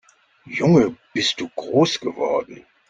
Junge, bist du groß geworden!